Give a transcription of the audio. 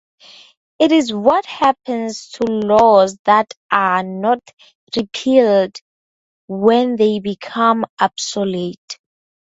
It is what happens to laws that are not repealed when they become obsolete.